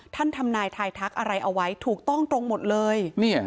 ทำนายทายทักอะไรเอาไว้ถูกต้องตรงหมดเลย